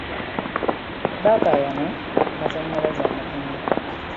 Baakayana ku masannyalaze amatono.